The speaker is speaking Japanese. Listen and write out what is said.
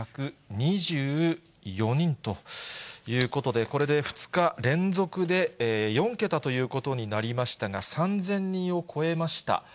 ３１２４人ということで、これで２日連続で４桁ということになりましたが、３０００人を超えました。